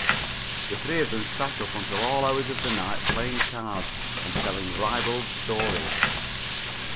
The three of them sat up until all hours of the night playing cards and telling ribald stories.